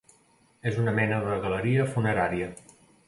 És una mena de galeria funerària.